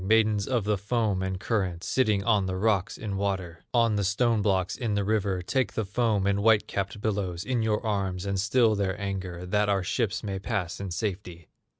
Maidens of the foam and current, Sitting on the rocks in water, On the stone blocks in the river, Take the foam and white capped billows In your arms and still their anger, That our ships may pass in safety!